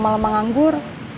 ga mau lama lama nganggur